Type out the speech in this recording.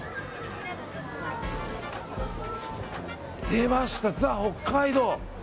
出ました、ザ・北海道。